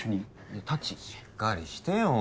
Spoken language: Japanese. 達しっかりしてよ